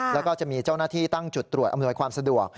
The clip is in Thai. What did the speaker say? แล้วก็จะมีเจ้าหน้าที่ตั้งจุดตรวจอำนวยความสะดวก